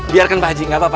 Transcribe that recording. biarkan pak ji gak apa apa